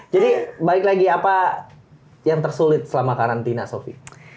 jadi balik lagi apa yang tersulit selama karantina sofi